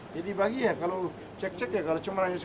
jadi dibagi ya kalau cek cek ya kalau cuma sekitar empat ratus juta ya